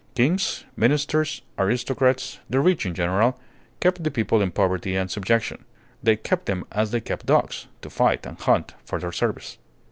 Kings, ministers, aristocrats, the rich in general, kept the people in poverty and subjection; they kept them as they kept dogs, to fight and hunt for their service.